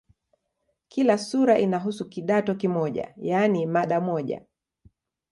Kila sura inahusu "kidato" kimoja, yaani mada moja.